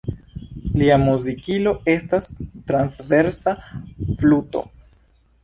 Lia muzikilo estas transversa fluto.